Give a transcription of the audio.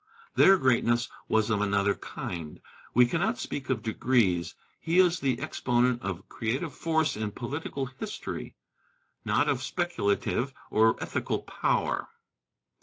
Their greatness was of another kind. We cannot speak of degrees. He is the exponent of creative force in political history not of speculative or ethical power.